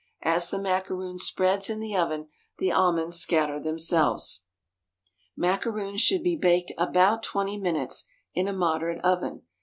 As the macaroon spreads in the oven the almonds scatter themselves. Macaroons should be baked about twenty minutes in a moderate oven.